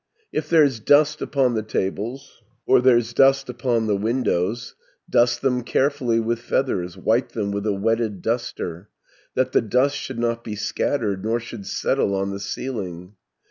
200 "If there's dust upon the tables, Or there's dust upon the windows, Dust them carefully with feathers, Wipe them with a wetted duster, That the dust should not be scattered, Nor should settle on the ceiling.